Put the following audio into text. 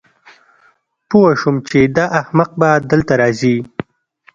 پوه شوم چې دا احمق به دلته راځي